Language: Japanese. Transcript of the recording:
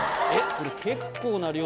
これ結構な量ある。